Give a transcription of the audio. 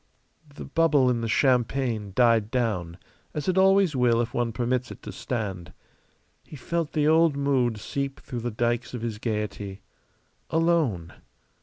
The bubble in the champagne died down as it always will if one permits it to stand. He felt the old mood seep through the dikes of his gayety. Alone.